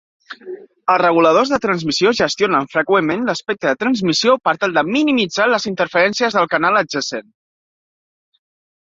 Els reguladors de transmissió gestionen freqüentment l'espectre de transmissió per tal de minimitzar les interferències del canal adjacent.